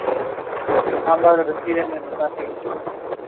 Their coloring is dominated by shades of brown.